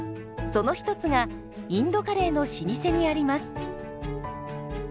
その一つがインドカレーの老舗にあります。